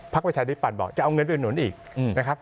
ประชาธิปัตย์บอกจะเอาเงินอุดหนุนอีกนะครับ